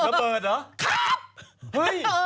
ระเบิดเหรอ